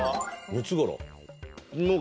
ムツゴロウ。